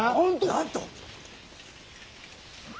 なんと！